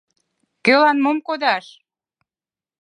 Кӧлан мом кодаш...